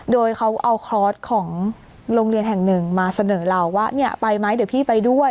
โดยเขาเอาคลอสของโรงเรียนแห่งหนึ่งมาเสนอเราว่าเนี่ยไปไหมเดี๋ยวพี่ไปด้วย